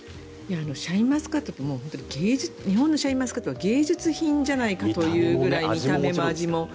シャインマスカットって日本のシャインマスカットは芸術品じゃないかというぐらい見た目も味も。